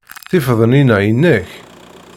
Tifednin-a inek?